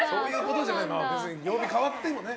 別に曜日変わってもね。